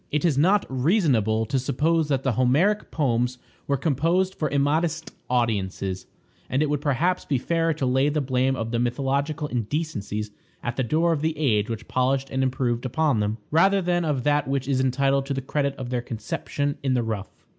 It is not reasonable to suppose that the Homeric poems were composed for immodest audiences, and it would perhaps be fairer to lay the blame of the mythological indecencies at the door of the age which polished and improved upon them, rather than of that which is entitled to the credit of their conception in the rough.